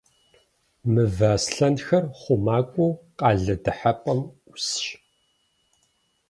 Мывэ аслъэнхэр хъумакӏуэу къалэ дыхьэпӏэм ӏусщ.